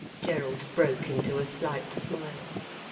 Gerald broke into a slight smile.